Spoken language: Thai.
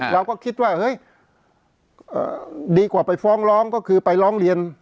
เราก็คิดว่าเฮ้ยดีกว่าไปฟ้องร้องก็คือไปร้องเรียน